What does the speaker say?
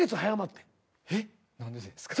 えっ何でですか？